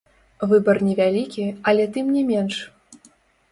Выбар невялікі, але тым не менш.